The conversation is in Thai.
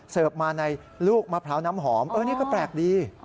เสิร์ฟมาในลูกมะพร้าน้ำหอมอันนี้ก็แปลกดี